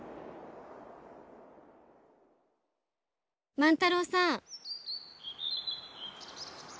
万太郎さん。